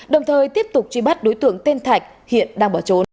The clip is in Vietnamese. đồng thời tiếp tục truy bắt đối tượng tên thạch hiện đang bỏ trốn